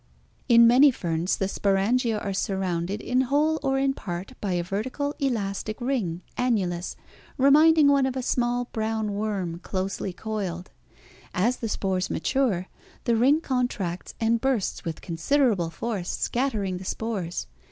In many ferns the sporangia are surrounded in whole or in part by a vertical, elastic ring (annulus) reminding one of a small, brown worm closely coiled (Fig. 4). As the spores mature, the ring contracts and bursts with considerable force, scattering the spores.